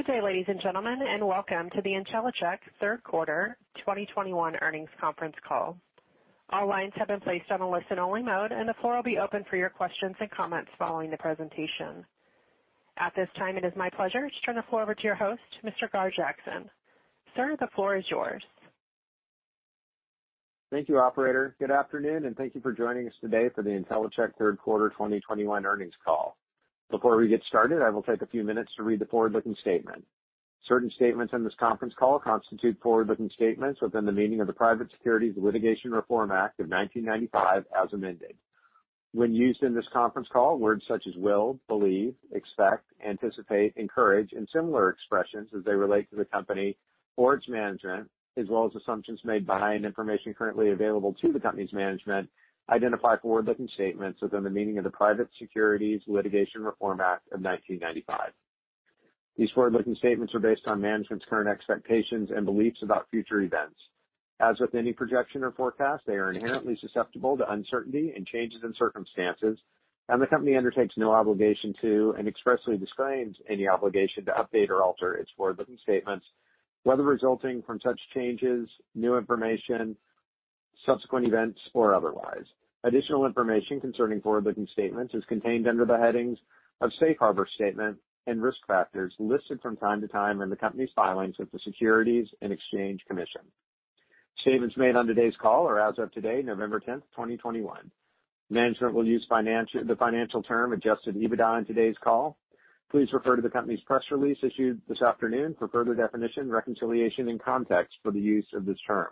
Good day, ladies and gentlemen. Welcome to the Intellicheck third quarter 2021 earnings conference call. All lines have been placed on a listen-only mode, and the floor will be open for your questions and comments following the presentation. At this time, it is my pleasure to turn the floor over to your host, Mr. Gar Jackson. Sir, the floor is yours. Thank you, operator. Good afternoon, and thank you for joining us today for the Intellicheck third quarter 2021 earnings call. Before we get started, I will take a few minutes to read the forward-looking statement. Certain statements in this conference call constitute forward-looking statements within the meaning of the Private Securities Litigation Reform Act of 1995, as amended. When used in this conference call, words such as will, believe, expect, anticipate, encourage, and similar expressions as they relate to the company or its management, as well as assumptions made by and information currently available to the company's management, identify forward-looking statements within the meaning of the Private Securities Litigation Reform Act of 1995. These forward-looking statements are based on management's current expectations and beliefs about future events. As with any projection or forecast, they are inherently susceptible to uncertainty and changes in circumstances, and the company undertakes no obligation to and expressly disclaims any obligation to update or alter its forward-looking statements, whether resulting from such changes, new information, subsequent events, or otherwise. Additional information concerning forward-looking statements is contained under the headings of Safe Harbor Statement and Risk Factors listed from time to time in the company's filings with the Securities and Exchange Commission. Statements made on today's call are as of today, November 10th, 2021. Management will use the financial term adjusted EBITDA on today's call. Please refer to the company's press release issued this afternoon for further definition, reconciliation, and context for the use of this term.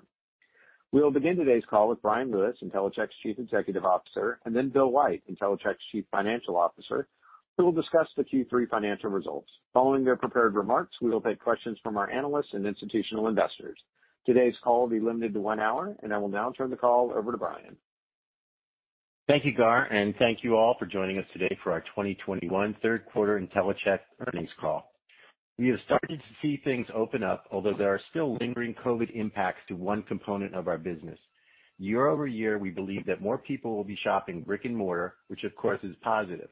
We will begin today's call with Bryan Lewis, Intellicheck's Chief Executive Officer, and then Bill White, Intellicheck's Chief Financial Officer, who will discuss the Q3 financial results. Following their prepared remarks, we will take questions from our analysts and institutional investors. Today's call will be limited to one hour, and I will now turn the call over to Bryan. Thank you, Gar, and thank you all for joining us today for our 2021 third quarter Intellicheck earnings call. We have started to see things open up, although there are still lingering COVID impacts to one component of our business. Year-over-year, we believe that more people will be shopping brick-and-mortar, which of course is positive.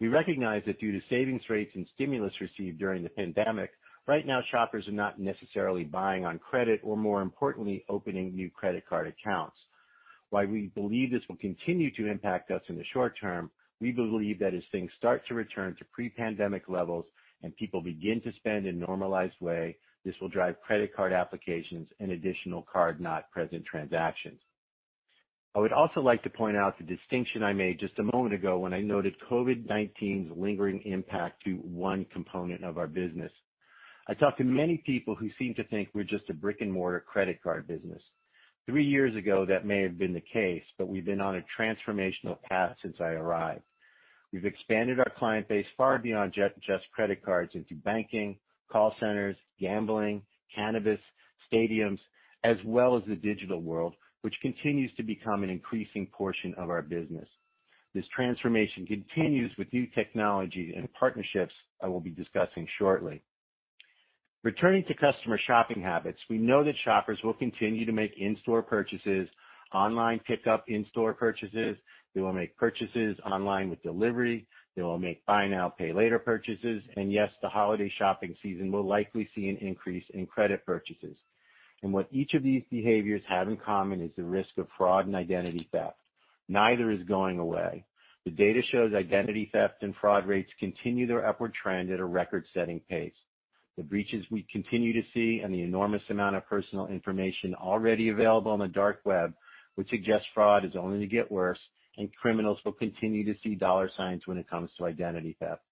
We recognize that due to savings rates and stimulus received during the pandemic, right now shoppers are not necessarily buying on credit or more importantly, opening new credit card accounts. While we believe this will continue to impact us in the short term, we believe that as things start to return to pre-pandemic levels and people begin to spend in a normalized way, this will drive credit card applications and additional card-not-present transactions. I would also like to point out the distinction I made just a moment ago when I noted COVID-19's lingering impact to one component of our business. I talk to many people who seem to think we're just a brick-and-mortar credit card business. Three years ago, that may have been the case, but we've been on a transformational path since I arrived. We've expanded our client base far beyond just credit cards into banking, call centers, gambling, cannabis, stadiums, as well as the digital world, which continues to become an increasing portion of our business. This transformation continues with new technology and partnerships I will be discussing shortly. Returning to customer shopping habits, we know that shoppers will continue to make in-store purchases, online pickup in-store purchases. They will make purchases online with delivery. They will make buy now, pay later purchases. Yes, the holiday shopping season will likely see an increase in credit purchases. What each of these behaviors have in common is the risk of fraud and identity theft. Neither is going away. The data shows identity theft and fraud rates continue their upward trend at a record-setting pace. The breaches we continue to see and the enormous amount of personal information already available on the dark web would suggest fraud is only to get worse, and criminals will continue to see dollar signs when it comes to identity theft.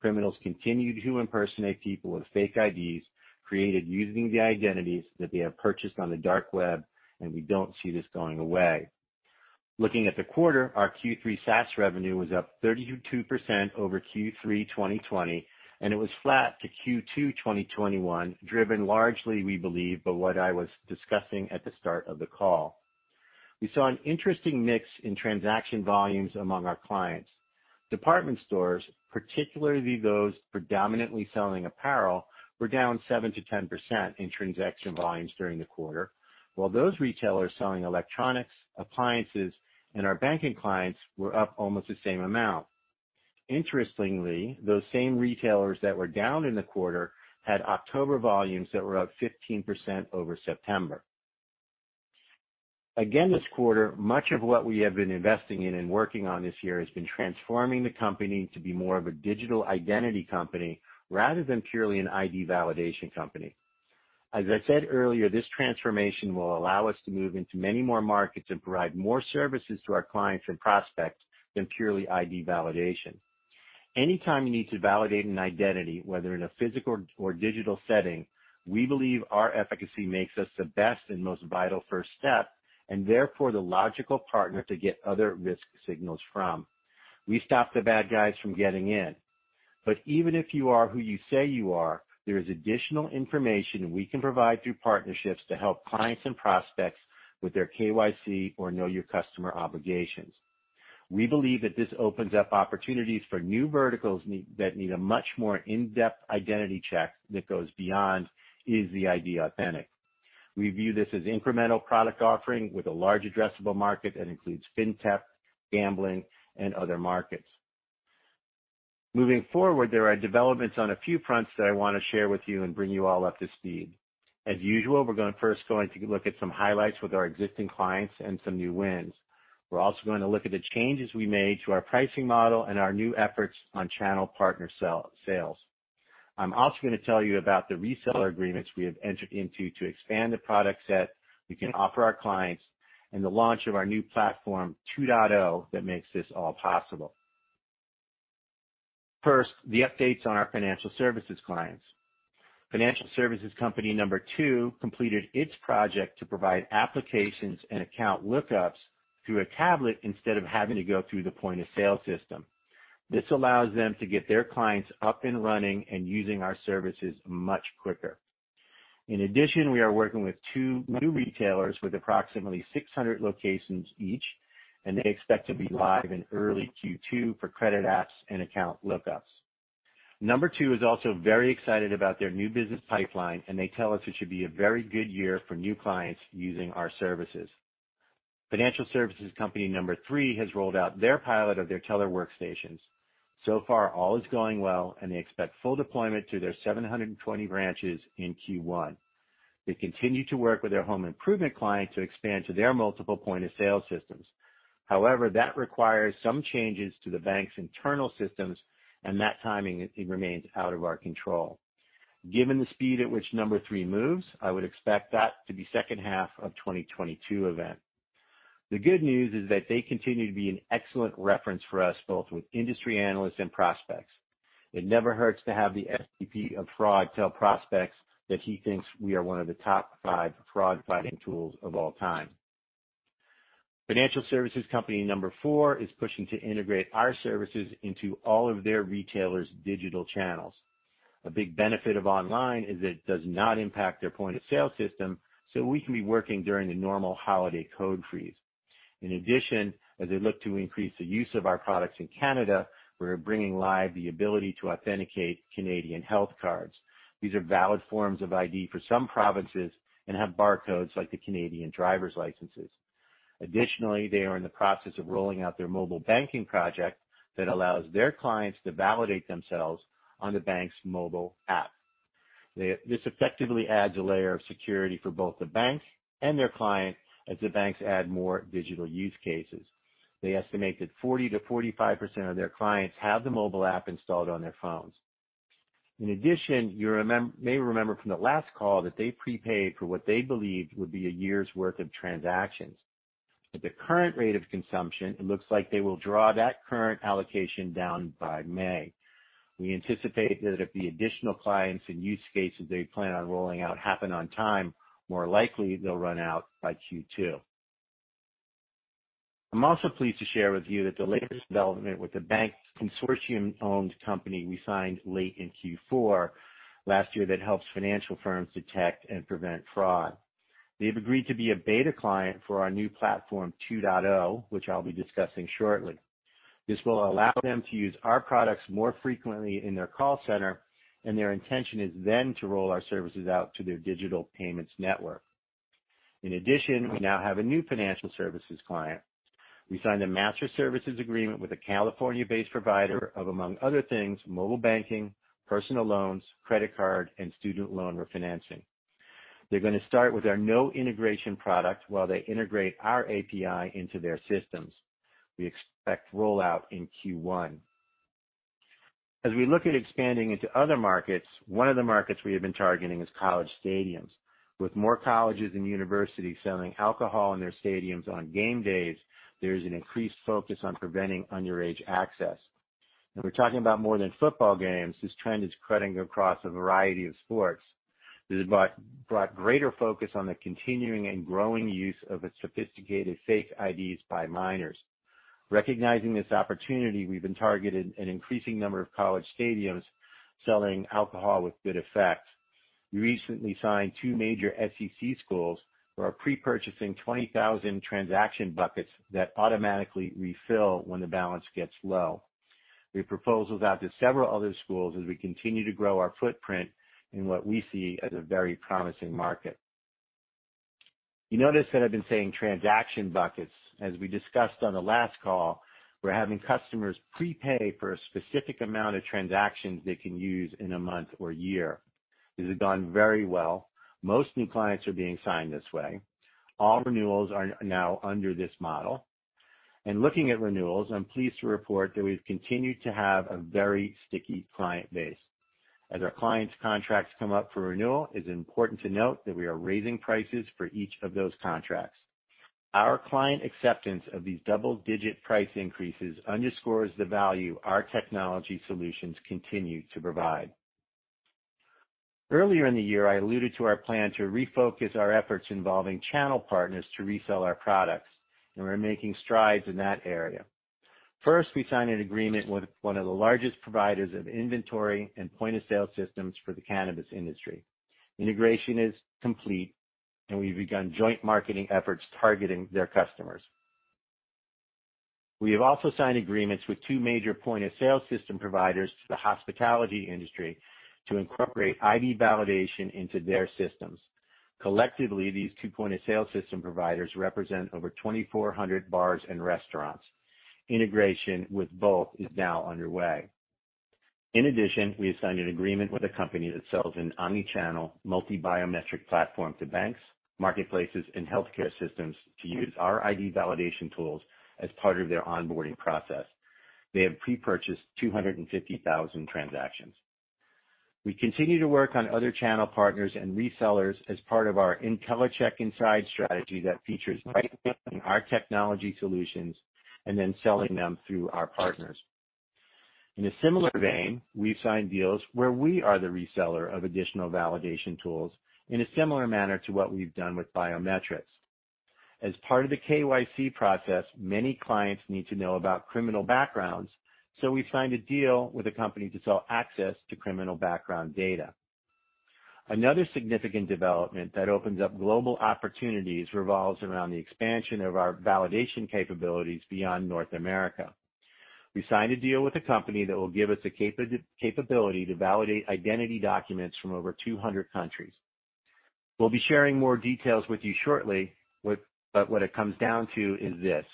Criminals continue to impersonate people with fake IDs created using the identities that they have purchased on the dark web, and we don't see this going away. Looking at the quarter, our Q3 SaaS revenue was up 32% over Q3 2020, and it was flat to Q2 2021, driven largely, we believe, by what I was discussing at the start of the call. We saw an interesting mix in transaction volumes among our clients. Department stores, particularly those predominantly selling apparel, were down 7%-10% in transaction volumes during the quarter, while those retailers selling electronics, appliances, and our banking clients were up almost the same amount. Interestingly, those same retailers that were down in the quarter had October volumes that were up 15% over September. Again this quarter, much of what we have been investing in and working on this year has been transforming the company to be more of a digital identity company rather than purely an ID validation company. As I said earlier, this transformation will allow us to move into many more markets and provide more services to our clients and prospects than purely ID validation. Anytime you need to validate an identity, whether in a physical or digital setting, we believe our efficacy makes us the best and most vital first step, and therefore the logical partner to get other risk signals from. We stop the bad guys from getting in. But even if you are who you say you are, there is additional information we can provide through partnerships to help clients and prospects with their KYC or know your customer obligations. We believe that this opens up opportunities for new verticals that need a much more in-depth identity check that goes beyond, is the ID authentic? We view this as incremental product offering with a large addressable market that includes fintech, gambling, and other markets. Moving forward, there are developments on a few fronts that I want to share with you and bring you all up to speed. As usual, we're gonna first look at some highlights with our existing clients and some new wins. We're also gonna look at the changes we made to our pricing model and our new efforts on channel partner sales. I'm also gonna tell you about the reseller agreements we have entered into to expand the product set we can offer our clients and the launch of our new Platform 2.0 that makes this all possible. First, the updates on our financial services clients. Financial services company number two completed its project to provide applications and account lookups through a tablet instead of having to go through the point-of-sale system. This allows them to get their clients up and running and using our services much quicker. In addition, we are working with two new retailers with approximately 600 locations each, and they expect to be live in early Q2 for credit apps and account lookups. Number two is also very excited about their new business pipeline, and they tell us it should be a very good year for new clients using our services. Financial services company number three has rolled out their pilot of their teller workstations. So far, all is going well, and they expect full deployment to their 720 branches in Q1. They continue to work with their home improvement client to expand to their multiple point-of-sale systems. However, that requires some changes to the bank's internal systems, and that timing remains out of our control. Given the speed at which number three moves, I would expect that to be second half of 2022 event. The good news is that they continue to be an excellent reference for us, both with industry analysts and prospects. It never hurts to have the SVP of fraud tell prospects that he thinks we are one of the top five fraud-fighting tools of all time. Financial services company number four is pushing to integrate our services into all of their retailers' digital channels. A big benefit of online is it does not impact their point-of-sale system, so we can be working during the normal holiday code freeze. In addition, as they look to increase the use of our products in Canada, we're bringing live the ability to authenticate Canadian health cards. These are valid forms of ID for some provinces and have barcodes like the Canadian driver's licenses. Additionally, they are in the process of rolling out their mobile banking project that allows their clients to validate themselves on the bank's mobile app. This effectively adds a layer of security for both the banks and their clients as the banks add more digital use cases. They estimate that 40%-45% of their clients have the mobile app installed on their phones. In addition, you may remember from the last call that they prepaid for what they believed would be a year's worth of transactions. At the current rate of consumption, it looks like they will draw that current allocation down by May. We anticipate that if the additional clients and use cases they plan on rolling out happen on time, more likely they'll run out by Q2. I'm also pleased to share with you that the latest development with the bank consortium-owned company we signed late in Q4 last year that helps financial firms detect and prevent fraud. They've agreed to be a beta client for our new Platform 2.0, which I'll be discussing shortly. This will allow them to use our products more frequently in their call center, and their intention is then to roll our services out to their digital payments network. In addition, we now have a new financial services client. We signed a master services agreement with a California-based provider of, among other things, mobile banking, personal loans, credit card, and student loan refinancing. They're gonna start with our no integration product while they integrate our API into their systems. We expect rollout in Q1. As we look at expanding into other markets, one of the markets we have been targeting is college stadiums. With more colleges and universities selling alcohol in their stadiums on game days, there's an increased focus on preventing underage access. We're talking about more than football games. This trend is cutting across a variety of sports. This has brought greater focus on the continuing and growing use of sophisticated fake IDs by minors. Recognizing this opportunity, we've been targeting an increasing number of college stadiums selling alcohol with good effect. We recently signed two major SEC schools who are pre-purchasing 20,000 transaction buckets that automatically refill when the balance gets low. We have proposals out to several other schools as we continue to grow our footprint in what we see as a very promising market. You notice that I've been saying transaction buckets. As we discussed on the last call, we're having customers prepay for a specific amount of transactions they can use in a month or year. This has gone very well. Most new clients are being signed this way. All renewals are now under this model. Looking at renewals, I'm pleased to report that we've continued to have a very sticky client base. As our clients' contracts come up for renewal, it's important to note that we are raising prices for each of those contracts. Our client acceptance of these double-digit price increases underscores the value our technology solutions continue to provide. Earlier in the year, I alluded to our plan to refocus our efforts involving channel partners to resell our products, and we're making strides in that area. First, we signed an agreement with one of the largest providers of inventory and point-of-sale systems for the cannabis industry. Integration is complete, and we've begun joint marketing efforts targeting their customers. We have also signed agreements with two major point-of-sale system providers to the hospitality industry to incorporate ID validation into their systems. Collectively, these two point-of-sale system providers represent over 2,400 bars and restaurants. Integration with both is now underway. In addition, we have signed an agreement with a company that sells an omni-channel multi-biometric platform to banks, marketplaces, and healthcare systems to use our ID validation tools as part of their onboarding process. They have pre-purchased 250,000 transactions. We continue to work on other channel partners and resellers as part of our Intellicheck Inside strategy that features pricing our technology solutions and then selling them through our partners. In a similar vein, we've signed deals where we are the reseller of additional validation tools in a similar manner to what we've done with biometrics. As part of the KYC process, many clients need to know about criminal backgrounds, so we've signed a deal with a company to sell access to criminal background data. Another significant development that opens up global opportunities revolves around the expansion of our validation capabilities beyond North America. We signed a deal with a company that will give us the capability to validate identity documents from over 200 countries. We'll be sharing more details with you shortly, but what it comes down to is this: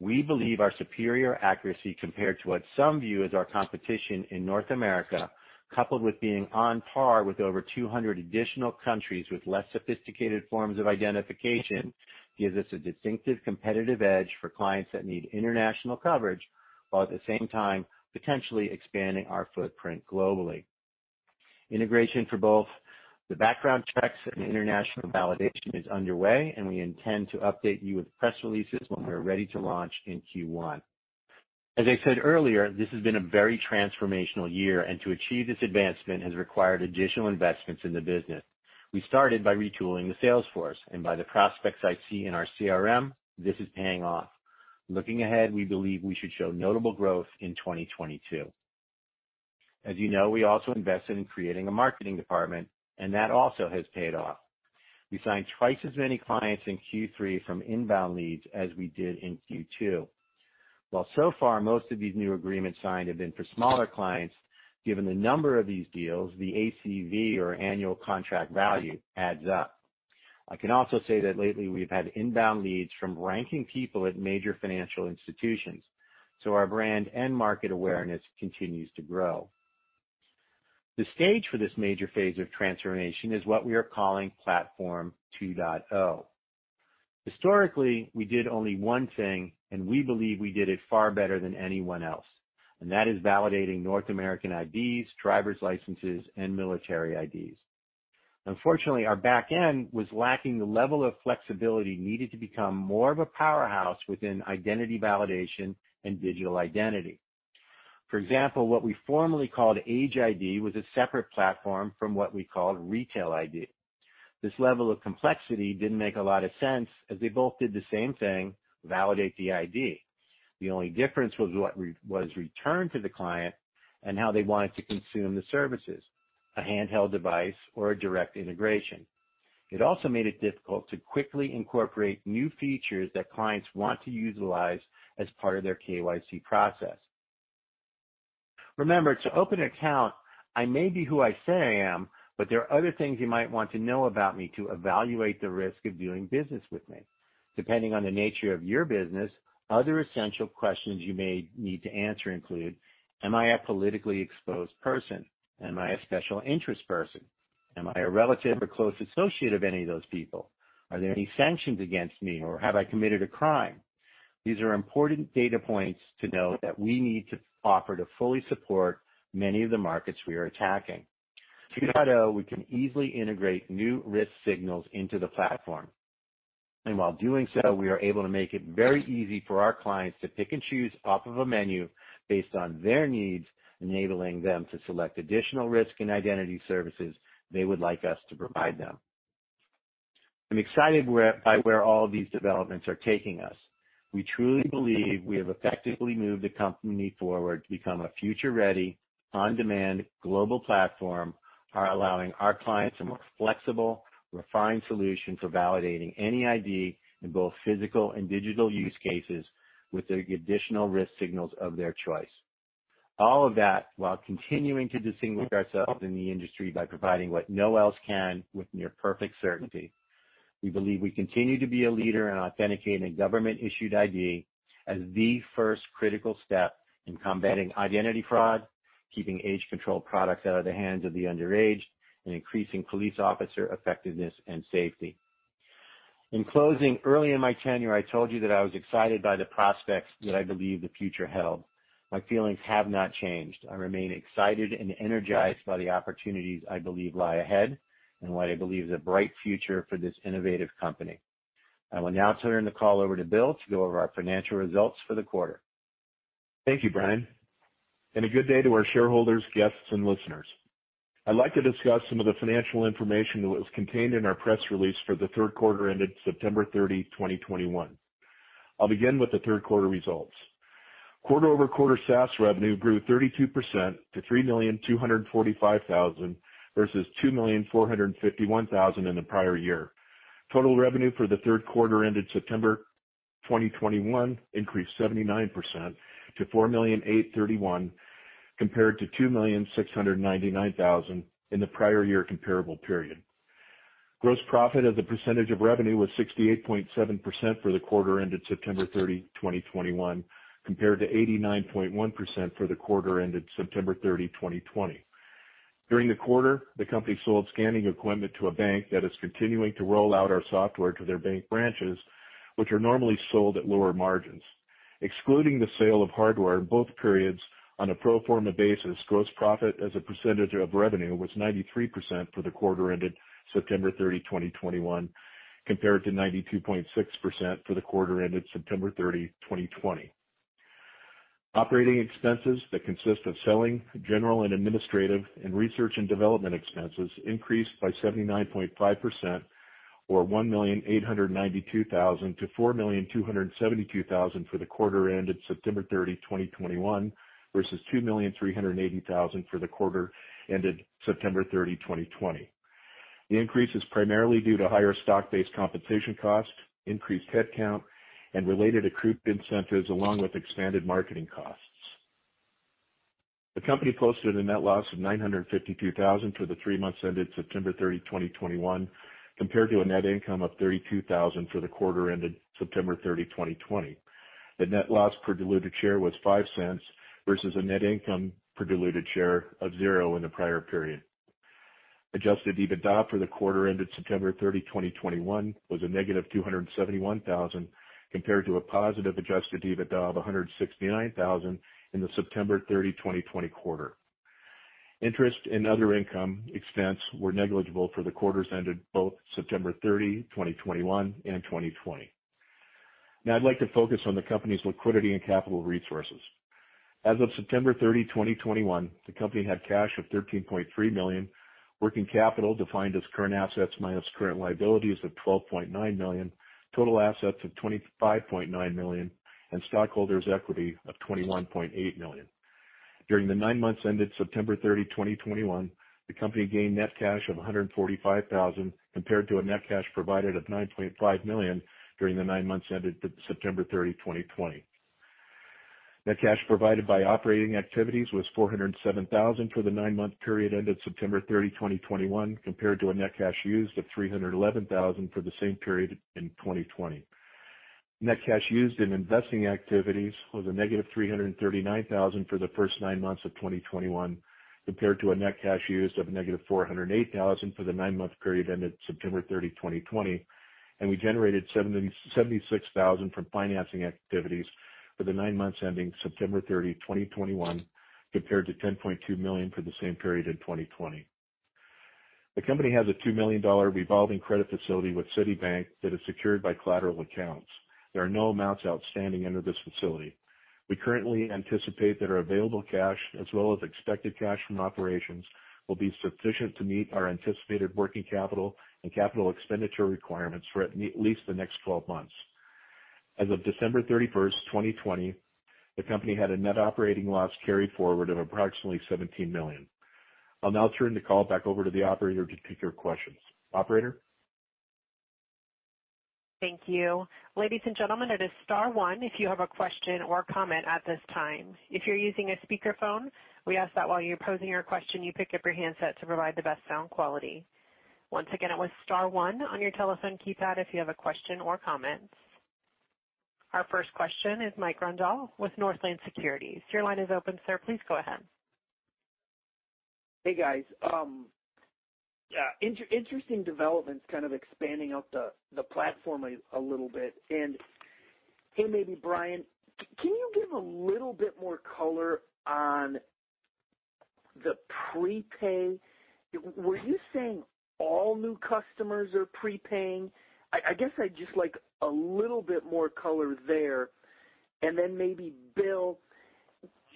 We believe our superior accuracy compared to what some view as our competition in North America, coupled with being on par with over 200 additional countries with less sophisticated forms of identification, gives us a distinctive competitive edge for clients that need international coverage, while at the same time, potentially expanding our footprint globally. Integration for both the background checks and international validation is underway, and we intend to update you with press releases when we are ready to launch in Q1. As I said earlier, this has been a very transformational year, and to achieve this advancement has required additional investments in the business. We started by retooling the sales force, and by the prospects I see in our CRM, this is paying off. Looking ahead, we believe we should show notable growth in 2022. As you know, we also invested in creating a marketing department, and that also has paid off. We signed twice as many clients in Q3 from inbound leads as we did in Q2. While so far, most of these new agreements signed have been for smaller clients, given the number of these deals, the ACV or annual contract value adds up. I can also say that lately we've had inbound leads from ranking people at major financial institutions, so our brand and market awareness continues to grow. The stage for this major phase of transformation is what we are calling Platform 2.0. Historically, we did only one thing, and we believe we did it far better than anyone else, and that is validating North American IDs, driver's licenses, and military IDs. Unfortunately, our back end was lacking the level of flexibility needed to become more of a powerhouse within identity validation and digital identity. For example, what we formerly called Age ID was a separate platform from what we called Retail ID. This level of complexity didn't make a lot of sense as they both did the same thing, validate the ID. The only difference was what was returned to the client and how they wanted to consume the services, a handheld device or a direct integration. It also made it difficult to quickly incorporate new features that clients want to utilize as part of their KYC process. Remember, to open an account, I may be who I say I am, but there are other things you might want to know about me to evaluate the risk of doing business with me. Depending on the nature of your business, other essential questions you may need to answer include, am I a politically exposed person? Am I a special interest person? Am I a relative or close associate of any of those people? Are there any sanctions against me or have I committed a crime? These are important data points to know that we need to offer to fully support many of the markets we are attacking. Platform 2.0, we can easily integrate new risk signals into the platform. While doing so, we are able to make it very easy for our clients to pick and choose off of a menu based on their needs, enabling them to select additional risk and identity services they would like us to provide them. I'm excited by where all these developments are taking us. We truly believe we have effectively moved the company forward to become a future-ready, on-demand global platform, allowing our clients a more flexible, refined solution for validating any ID in both physical and digital use cases with the additional risk signals of their choice. All of that while continuing to distinguish ourselves in the industry by providing what no one else can with near-perfect certainty. We believe we continue to be a leader in authenticating a government-issued ID as the first critical step in combating identity fraud, keeping age control products out of the hands of the underage, and increasing police officer effectiveness and safety. In closing, early in my tenure, I told you that I was excited by the prospects that I believe the future held. My feelings have not changed. I remain excited and energized by the opportunities I believe lie ahead and what I believe is a bright future for this innovative company. I will now turn the call over to Bill to go over our financial results for the quarter. Thank you, Bryan. A good day to our shareholders, guests, and listeners. I'd like to discuss some of the financial information that was contained in our press release for the third quarter ended September 30, 2021. I'll begin with the third quarter results. Quarter-over-quarter, SaaS revenue grew 32% to $3.245 million versus $2.451 million in the prior year. Total revenue for the third quarter ended September 2021 increased 79% to $4.831 million, compared to $2.699 million in the prior year comparable period. Gross profit as a percentage of revenue was 68.7% for the quarter ended September 30, 2021, compared to 89.1% for the quarter ended September 30, 2020. During the quarter, the company sold scanning equipment to a bank that is continuing to roll out our software to their bank branches, which are normally sold at lower margins. Excluding the sale of hardware in both periods on a pro forma basis, gross profit as a percentage of revenue was 93% for the quarter ended September 30, 2021, compared to 92.6% for the quarter ended September 30, 2020. Operating expenses that consist of selling, general and administrative, and research and development expenses increased by 79.5% or $1,892,000-$4,272,000 for the quarter ended September 30, 2021, versus $2,380,000 for the quarter ended September 30, 2020. The increase is primarily due to higher stock-based compensation costs, increased headcount, and related accrued incentives along with expanded marketing costs. The company posted a net loss of $952,000 for the three months ended September 30, 2021, compared to a net income of $32,000 for the quarter ended September 30, 2020. The net loss per diluted share was $0.05 versus a net income per diluted share of $0.00 in the prior period. Adjusted EBITDA for the quarter ended September 30, 2021, was a negative $271,000, compared to a positive adjusted EBITDA of $169,000 in the September 30, 2020 quarter. Interest and other income expense were negligible for the quarters ended both September 30, 2021, and 2020. Now I'd like to focus on the company's liquidity and capital resources. As of September 30, 2021, the company had cash of $13.3 million, working capital defined as current assets minus current liabilities of $12.9 million, total assets of $25.9 million, and stockholders' equity of $21.8 million. During the nine months ended September 30, 2021, the company gained net cash of $145,000 compared to a net cash provided of $9.5 million during the nine months ended September 30, 2020. Net cash provided by operating activities was $407,000 for the nine-month period ended September 30, 2021, compared to a net cash used of $311,000 for the same period in 2020. Net cash used in investing activities was -$339,000 for the first nine months of 2021, compared to a net cash used of -$408,000 for the nine-month period ended September 30, 2020. We generated $76,000 from financing activities for the nine months ending September 30, 2021, compared to $10.2 million for the same period in 2020. The company has a $2 million revolving credit facility with Citibank that is secured by collateral accounts. There are no amounts outstanding under this facility. We currently anticipate that our available cash as well as expected cash from operations will be sufficient to meet our anticipated working capital and capital expenditure requirements for at least the next 12 months. As of December 31st, 2020, the company had a net operating loss carried forward of approximately $17 million. I'll now turn the call back over to the operator to take your questions. Operator? Thank you. Ladies and gentlemen, it is star one if you have a question or comment at this time. If you're using a speakerphone, we ask that while you're posing your question, you pick up your handset to provide the best sound quality. Once again, it was star one on your telephone keypad if you have a question or comment. Our first question is Mike Grondahl with Northland Securities. Your line is open, sir. Please go ahead. Hey, guys. Interesting developments kind of expanding out the platform a little bit. Hey, maybe Bryan, can you give a little bit more color on the prepay? Were you saying all new customers are prepaying? I guess I'd just like a little bit more color there. Maybe Bill,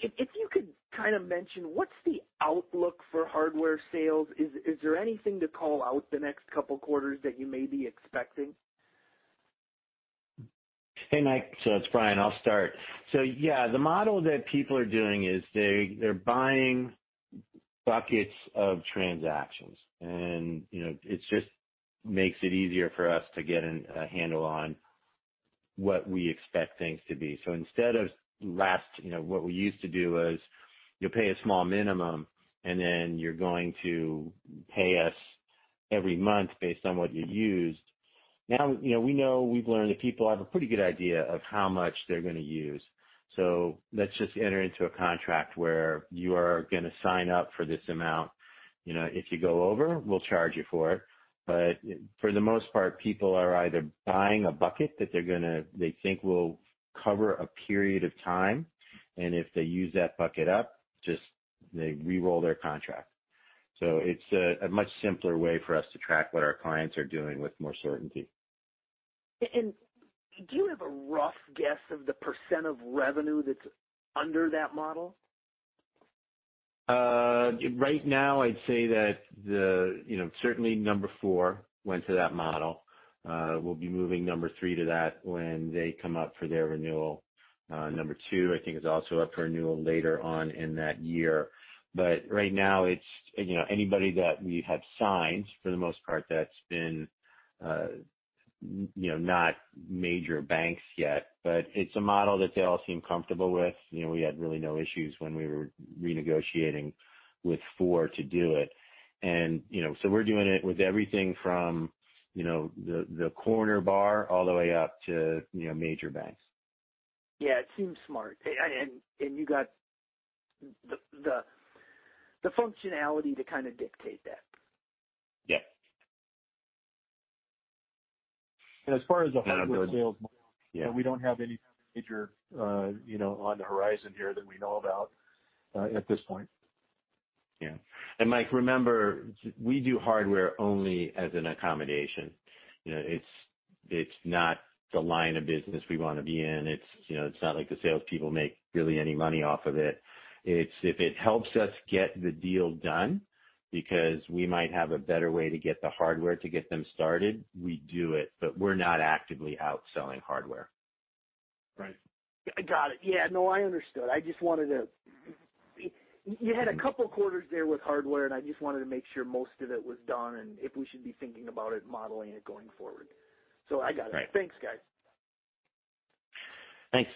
if you could kind of mention what's the outlook for hardware sales. Is there anything to call out the next couple quarters that you may be expecting? Hey, Mike. It's Bryan, I'll start. Yeah, the model that people are doing is they're buying buckets of transactions. You know, it just makes it easier for us to get a handle on what we expect things to be. Instead of last, you know, what we used to do was you pay a small minimum, and then you're going to pay us every month based on what you used. Now, you know, we know we've learned that people have a pretty good idea of how much they're gonna use. Let's just enter into a contract where you are gonna sign up for this amount. You know, if you go over, we'll charge you for it. For the most part, people are either buying a bucket that they think will cover a period of time, and if they use that bucket up, they re-roll their contract. It's a much simpler way for us to track what our clients are doing with more certainty. Do you have a rough guess of the % of revenue that's under that model? Right now, I'd say that the, you know, certainly number four went to that model. We'll be moving number threeto that when they come up for their renewal. Number two, I think, is also up for renewal later on in that year. Right now it's, you know, anybody that we have signed, for the most part, that's been, you know, not major banks yet, but it's a model that they all seem comfortable with. You know, we had really no issues when we were renegotiating with four to do it. You know, so we're doing it with everything from, you know, the corner bar all the way up to, you know, major banks. Yeah, it seems smart. You got the functionality to kind of dictate that. Yes. As far as the hardware sales model. Yeah. We don't have any major, you know, on the horizon here that we know about at this point. Yeah. Mike, remember, we do hardware only as an accommodation. You know, it's not the line of business we wanna be in. It's, you know, it's not like the salespeople make really any money off of it. It's if it helps us get the deal done because we might have a better way to get the hardware to get them started, we do it, but we're not actively out selling hardware. Right. I got it. Yeah. No, I understood. I just wanted to. You had a couple of quarters there with hardware, and I just wanted to make sure most of it was done and if we should be thinking about it, modeling it going forward. I got it. Right. Thanks, guys. Thanks.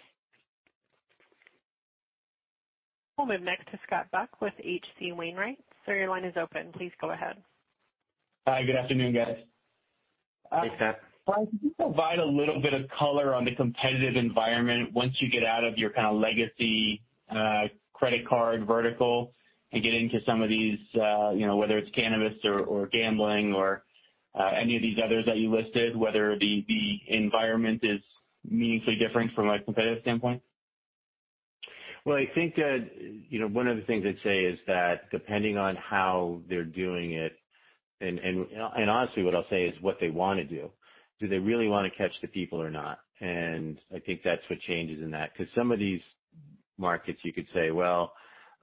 We'll move next to Scott Buck with H.C. Wainwright. Sir, your line is open. Please go ahead. Hi, good afternoon, guys. Hey, Scott. Bryan, could you provide a little bit of color on the competitive environment once you get out of your kind of legacy credit card vertical and get into some of these you know whether it's cannabis or gambling or any of these others that you listed whether the environment is meaningfully different from a competitive standpoint? Well, I think that, you know, one of the things I'd say is that depending on how they're doing it and honestly, what I'll say is what they wanna do. Do they really wanna catch the people or not? I think that's what changes in that. Because some of these markets, you could say, well,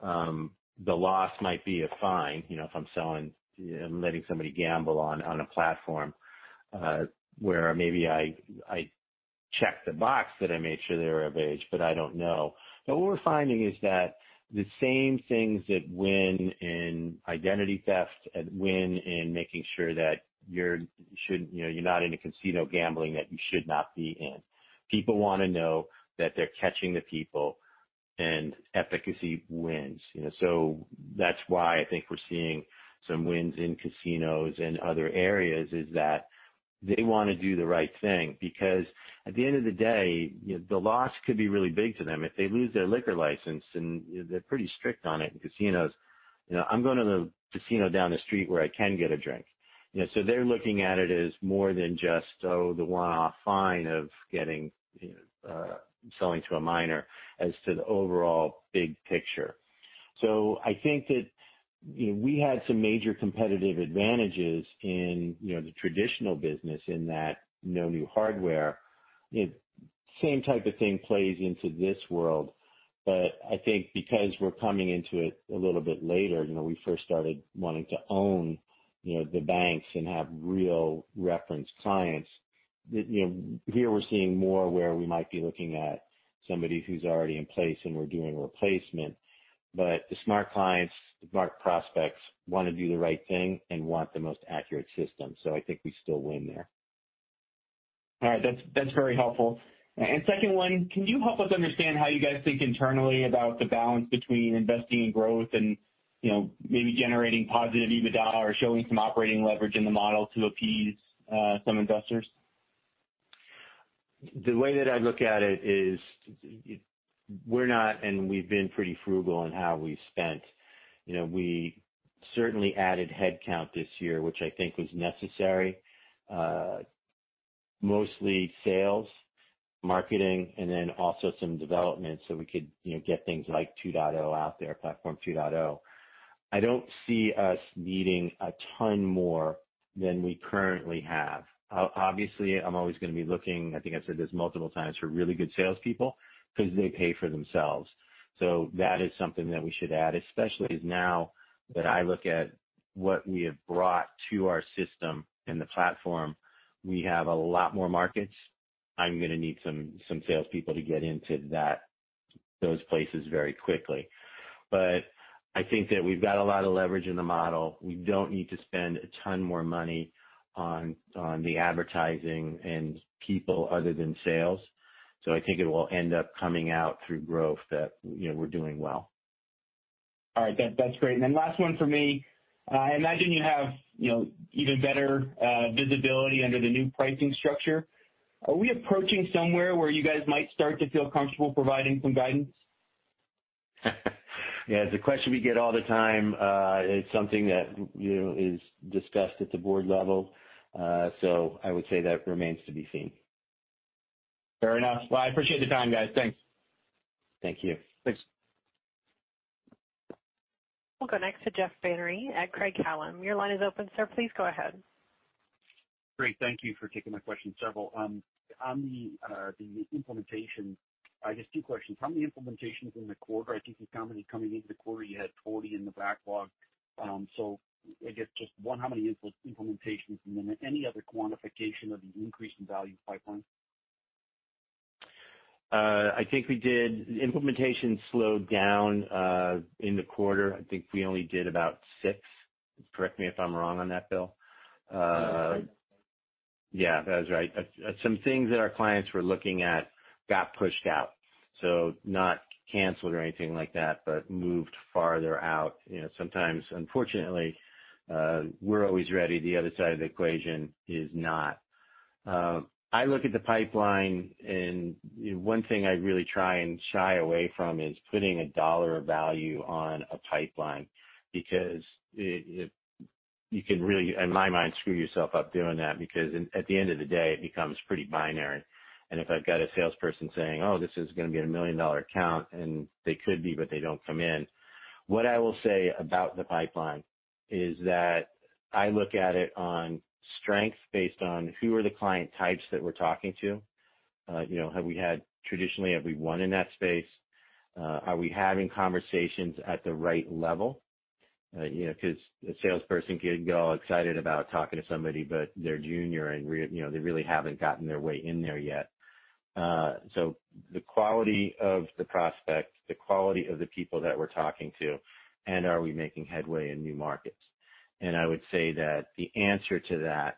the loss might be a fine, you know, if I'm selling, I'm letting somebody gamble on a platform, where maybe I check the box that I made sure they were of age, but I don't know. What we're finding is that the same things that win in identity theft and win in making sure that you're shouldn't, you know, you're not in a casino gambling that you should not be in. People wanna know that they're catching the people and efficacy wins. You know? That's why I think we're seeing some wins in casinos and other areas, is that they wanna do the right thing because at the end of the day, you know, the loss could be really big to them if they lose their liquor license, and they're pretty strict on it in casinos. You know, I'm going to the casino down the street where I can get a drink. You know, so they're looking at it as more than just, oh, the one-off fine of getting, selling to a minor as to the overall big picture. I think that, you know, we had some major competitive advantages in, you know, the traditional business in that no new hardware. You know, same type of thing plays into this world. I think because we're coming into it a little bit later, you know, we first started wanting to own, you know, the banks and have real reference clients. You know, here we're seeing more where we might be looking at somebody who's already in place and we're doing replacement. The smart clients, the smart prospects wanna do the right thing and want the most accurate system. I think we still win there. All right. That's very helpful. Second one, can you help us understand how you guys think internally about the balance between investing in growth and, you know, maybe generating positive EBITDA or showing some operating leverage in the model to appease some investors? The way that I look at it is we're not and we've been pretty frugal in how we've spent. You know, we certainly added headcount this year, which I think was necessary. Mostly sales, marketing, and then also some development so we could, you know, get things like 2.0 out there, Platform 2.0. I don't see us needing a ton more than we currently have. Obviously, I'm always gonna be looking, I think I've said this multiple times, for really good salespeople because they pay for themselves. That is something that we should add, especially now that I look at what we have brought to our system and the platform. We have a lot more markets. I'm gonna need some salespeople to get into those places very quickly. I think that we've got a lot of leverage in the model. We don't need to spend a ton more money on the advertising and people other than sales. I think it will end up coming out through growth that, you know, we're doing well. All right. That's great. Last one for me. I imagine you have, you know, even better visibility under the new pricing structure. Are we approaching somewhere where you guys might start to feel comfortable providing some guidance? Yeah. It's a question we get all the time. It's something that, you know, is discussed at the board level. I would say that remains to be seen. Fair enough. Well, I appreciate the time, guys. Thanks. Thank you. Thanks. We'll go next to Jeff Van Rhee at Craig-Hallum. Your line is open, sir. Please go ahead. Great. Thank you for taking my question. Several on the implementation, just two questions. How many implementations in the quarter? I think you commented coming into the quarter, you had 40 in the backlog. I guess just one, how many implementations? Any other quantification of the increase in value pipeline? I think the implementation slowed down in the quarter. I think we only did about six. Correct me if I'm wrong on that, Bill. No, that's right. Yeah, that was right. Some things that our clients were looking at got pushed out, so not canceled or anything like that, but moved farther out. You know, sometimes, unfortunately, we're always ready, the other side of the equation is not. I look at the pipeline and one thing I really try and shy away from is putting a dollar value on a pipeline because you can really, in my mind, screw yourself up doing that, because at the end of the day, it becomes pretty binary. If I've got a salesperson saying, "Oh, this is gonna be a million-dollar account," and they could be, but they don't come in. What I will say about the pipeline is that I look at it on strength based on who are the client types that we're talking to. You know, have we had traditionally, have we won in that space? Are we having conversations at the right level? You know, 'cause a salesperson can get all excited about talking to somebody, but they're junior and you know, they really haven't gotten their way in there yet. So the quality of the prospect, the quality of the people that we're talking to and are we making headway in new markets? I would say that the answer to that,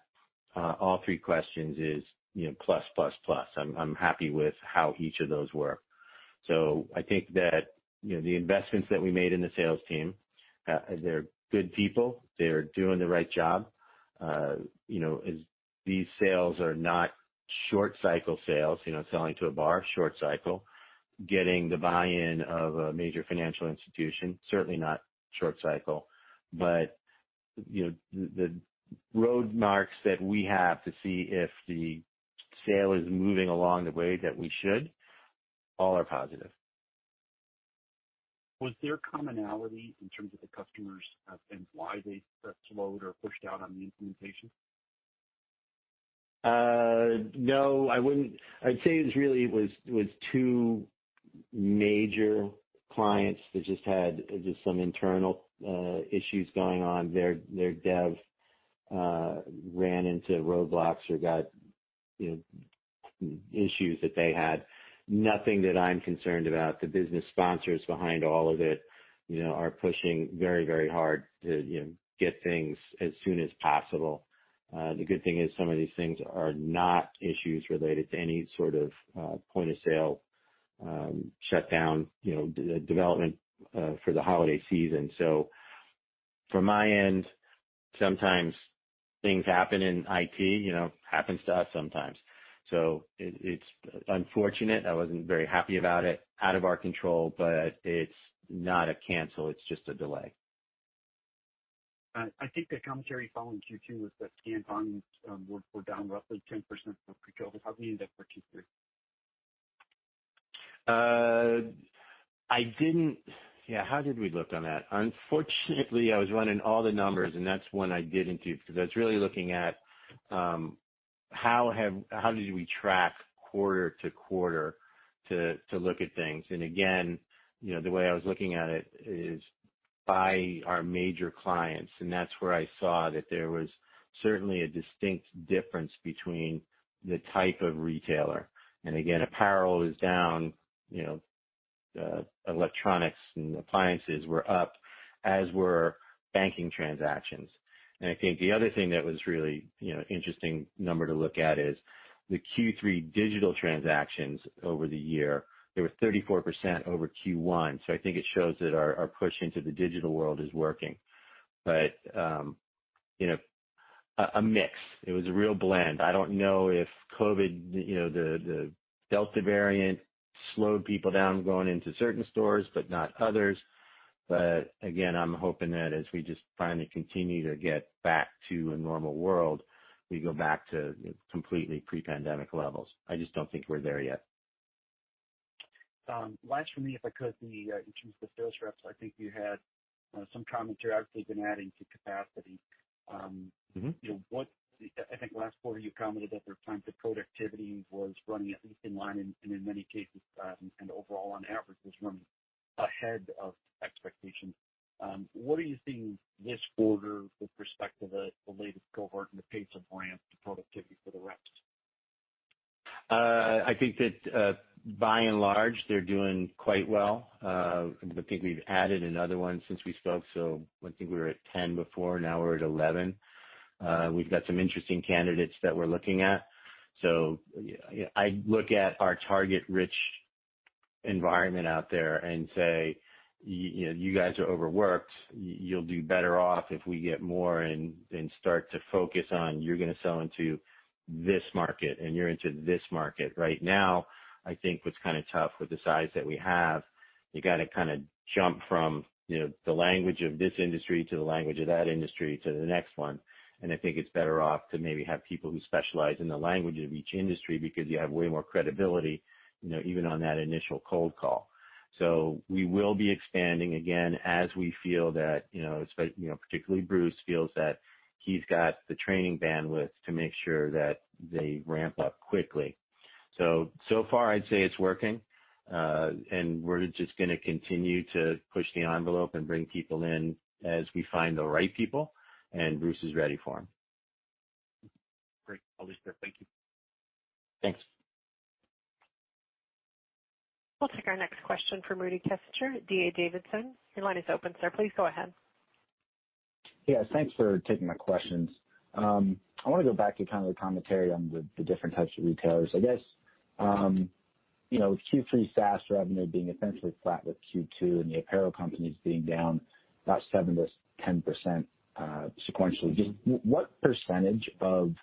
all three questions is, you know, plus, plus. I'm happy with how each of those work. I think that, you know, the investments that we made in the sales team, they're good people. They're doing the right job. You know, these sales are not short cycle sales, you know, selling to a bar, short cycle. Getting the buy-in of a major financial institution, certainly not short cycle. You know, the roadmaps that we have to see if the sale is moving along the way that we should, all are positive. Was there commonality in terms of the customers and why they slowed or pushed out on the implementation? No, I wouldn't. I'd say it was two major clients that had just some internal issues going on. Their dev ran into roadblocks or got issues that they had. Nothing that I'm concerned about. The business sponsors behind all of it, you know, are pushing very hard to get things as soon as possible. The good thing is some of these things are not issues related to any sort of point-of-sale shutdown, you know, de-development for the holiday season. From my end, sometimes things happen in IT, you know, happens to us sometimes. It's unfortunate. I wasn't very happy about it, out of our control, but it's not a cancel. It's just a delay. I think the commentary following Q2 was that scan volumes were down roughly 10% from pre-COVID. How did we end up for Q3? Yeah, how did we look on that? Unfortunately, I was running all the numbers, and that's one I didn't do because I was really looking at how did we track quarter to quarter to look at things. Again, you know, the way I was looking at it is by our major clients, and that's where I saw that there was certainly a distinct difference between the type of retailer. Again, apparel is down, you know, electronics and appliances were up, as were banking transactions. I think the other thing that was really interesting number to look at is the Q3 digital transactions over the year. They were 34% over Q1. I think it shows that our push into the digital world is working. A mix. It was a real blend. I don't know if COVID, you know, the Delta variant slowed people down going into certain stores, but not others. I'm hoping that as we just finally continue to get back to a normal world, we go back to completely pre-pandemic levels. I just don't think we're there yet. Last for me, if I could, in terms of the sales reps, I think you had some commentary. Obviously been adding to capacity. Mm-hmm. You know, I think last quarter you commented that their time to productivity was running at least in line and in many cases, and overall on average, was running ahead of expectations. What are you seeing this quarter with respect to the latest cohort and the pace of ramp to productivity for the reps? I think that, by and large, they're doing quite well. I think we've added another one since we spoke, so I think we were at 10 before, now we're at 11. We've got some interesting candidates that we're looking at. I look at our target-rich environment out there and say, "You know, you guys are overworked. You'll do better off if we get more and start to focus on you're gonna sell into this market and you're into this market." Right now, I think what's kinda tough with the size that we have, you gotta kinda jump from, you know, the language of this industry to the language of that industry to the next one. I think it's better off to maybe have people who specialize in the language of each industry because you have way more credibility, you know, even on that initial cold call. We will be expanding again as we feel that, you know, you know, particularly Bruce feels that he's got the training bandwidth to make sure that they ramp up quickly. So far I'd say it's working, and we're just gonna continue to push the envelope and bring people in as we find the right people, and Bruce is ready for them. Great. I'll leave it there. Thank you. Thanks. We'll take our next question from Rudy Kessinger, D.A. Davidson. Your line is open, sir. Please go ahead. Yes, thanks for taking my questions. I wanna go back to kind of the commentary on the different types of retailers. I guess, you know, Q3 SaaS revenue being essentially flat with Q2 and the apparel companies being down about 7%-10%, sequentially. Just what percentage of,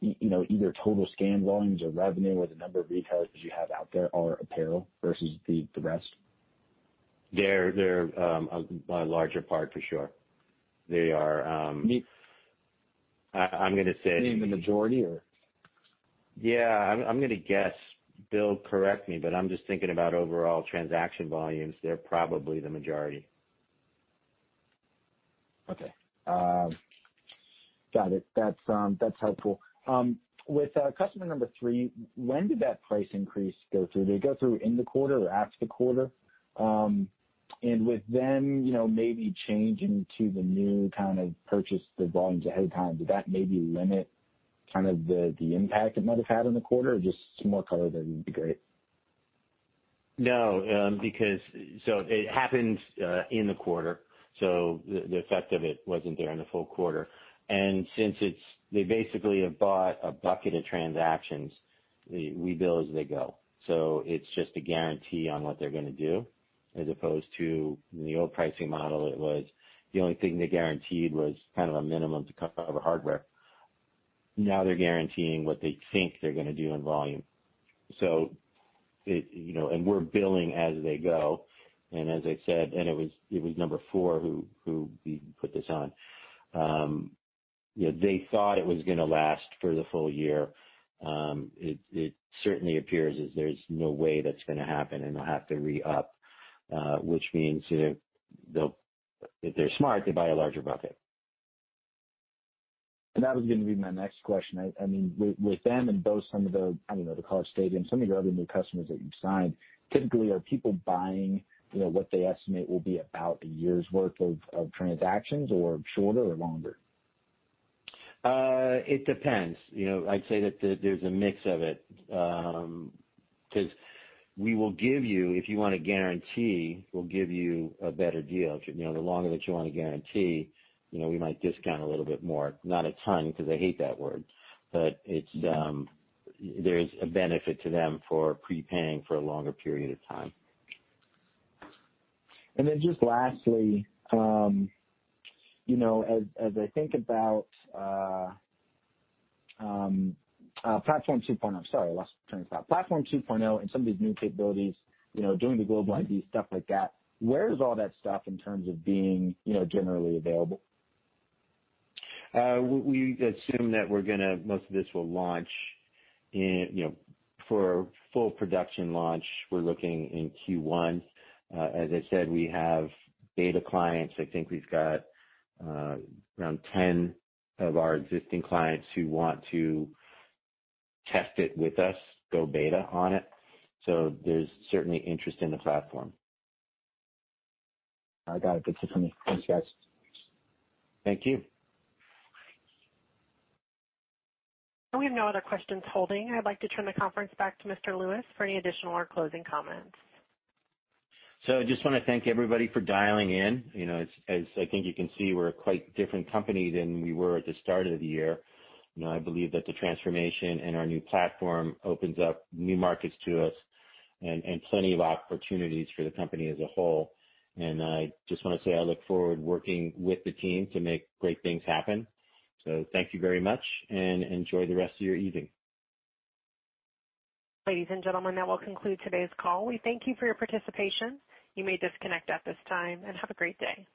you know, either total scanned volumes or revenue or the number of retailers you have out there are apparel versus the rest? They're a larger part for sure. They are Me- I'm gonna say- Maybe the majority or? Yeah, I'm gonna guess. Bill, correct me, but I'm just thinking about overall transaction volumes. They're probably the majority. Okay. Got it. That's helpful. With customer number three, when did that price increase go through? Did it go through in the quarter or after the quarter? With them, you know, maybe changing to the new kind of purchase the volumes ahead of time, did that maybe limit kind of the impact it might have had in the quarter or just some more color there would be great. No, because it happened in the quarter, the effect of it wasn't there in the full quarter. Since it's, they basically have bought a bucket of transactions, we bill as they go. It's just a guarantee on what they're gonna do as opposed to in the old pricing model, the only thing they guaranteed was kind of a minimum to cover the hardware. Now they're guaranteeing what they think they're gonna do in volume. You know, we're billing as they go. As I said, it was number four who we put this on. You know, they thought it was gonna last for the full year. It certainly appears as there's no way that's gonna happen, and they'll have to re-up, which means if they're smart, they buy a larger bucket. That was gonna be my next question. I mean, with them and both some of the, I don't know, the College Stadium, some of your other new customers that you've signed, typically are people buying, you know, what they estimate will be about a year's worth of transactions or shorter or longer? It depends. You know, I'd say there's a mix of it, 'cause we will give you, if you want a guarantee, we'll give you a better deal. You know, the longer that you want a guarantee, you know, we might discount a little bit more. Not a ton, 'cause I hate that word. There's a benefit to them for prepaying for a longer period of time. Then just lastly, you know, as I think about Platform 2.0 and some of these new capabilities, you know, doing the global ID, stuff like that, where is all that stuff in terms of being, you know, generally available? Most of this will launch in, you know, for full production launch, we're looking in Q1. As I said, we have beta clients. I think we've got around 10 of our existing clients who want to test it with us, go beta on it. There's certainly interest in the platform. I got it. Good to hear from you. Thanks, guys. Thank you. We have no other questions holding. I'd like to turn the conference back to Mr. Lewis for any additional or closing comments. I just wanna thank everybody for dialing in. You know, as I think you can see, we're a quite different company than we were at the start of the year. You know, I believe that the transformation and our new platform opens up new markets to us and plenty of opportunities for the company as a whole. I just wanna say I look forward working with the team to make great things happen. Thank you very much, and enjoy the rest of your evening. Ladies and gentlemen, that will conclude today's call. We thank you for your participation. You may disconnect at this time, and have a great day.